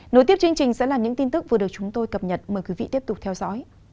nối tiếp chương trình sẽ là những tin tức vừa được chúng tôi cập nhật mời quý vị tiếp tục theo dõi